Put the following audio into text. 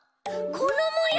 このもよう！？